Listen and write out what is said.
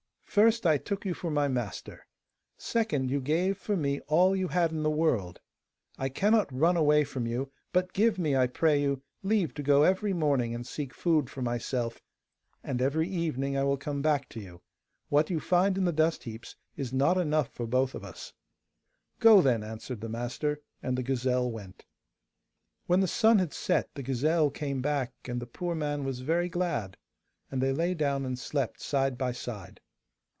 First, I took you for my master. Second, you gave for me all you had in the world. I cannot run away from you, but give me, I pray you, leave to go every morning and seek food for myself, and every evening I will come back to you. What you find in the dust heaps is not enough for both of us.' 'Go, then,' answered the master; and the gazelle went. When the sun had set, the gazelle came back, and the poor man was very glad, and they lay down and slept side by side.